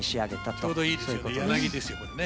ちょうどいいですよね。